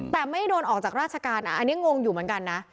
แต่ไม่ได้โดนออกจากราชการอันนี้งงอยู่เหมือนกันนะ